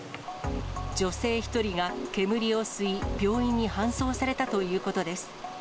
女性１人が煙を吸い病院に搬送されたということです。